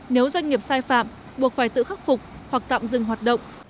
nếu doanh nghiệp sai phạm buộc phải tự khắc phục hoặc tạm dừng hoạt động